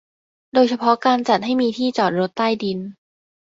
โดยเฉพาะการจัดให้มีที่จอดรถใต้ดิน